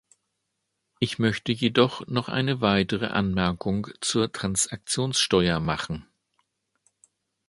Ich möchte jedoch noch eine weitere Anmerkung zur Transaktionssteuer machen.